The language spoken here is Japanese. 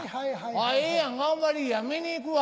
「あぁええやん頑張りぃや見に行くわ」。